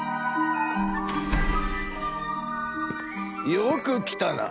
よく来たな。